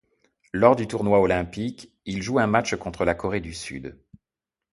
Lors du tournoi olympique, il joue un match contre la Corée du Sud.